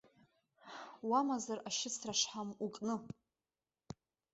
Уамазар ашьыцра шҳам укны.